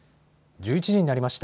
１１時になりました。